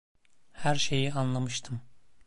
Her şeyi anlamıştım.